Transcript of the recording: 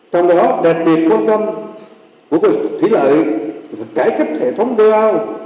trong đó đặc biệt quan tâm của quy hoạch thủy lợi phải cải cách hệ thống đô lao